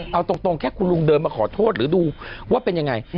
เอาตรงแค่คุณลุงเดินมาขอโทษหรือดูว่าเป็นยังไง